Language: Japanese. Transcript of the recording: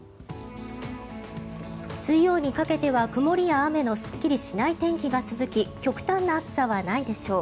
水曜にかけては曇りや雨のすっきりしない天気が続き極端な暑さはないでしょう。